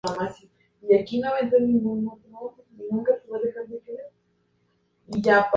Finalmente se encuentra la zona de costilla, debajo de las dos regiones anteriormente descrita.